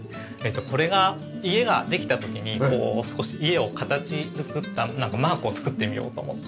これが家ができた時に少し家を形作ったマークを作ってみようと思って。